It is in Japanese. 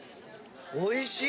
おいしい！